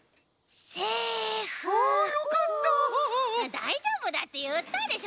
だいじょうぶだっていったでしょ。